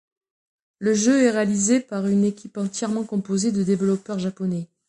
Le jeu est réalisé par une équipe entièrement composée de développeurs japonais.